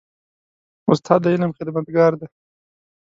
استاد د علم خدمتګار دی.